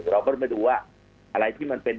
เราก็เลยมาดูว่าอะไรที่มันเป็น